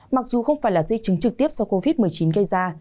mặc dù không phải là di chứng trực tiếp do covid một mươi chín gây ra